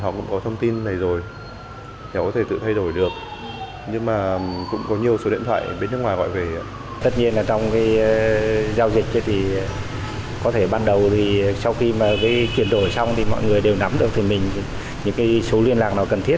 chuyển đổi xong thì mọi người đều nắm được thì mình những số liên lạc nào cần thiết